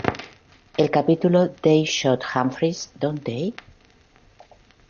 El capítulo "They Shoot Humphreys, Don't They?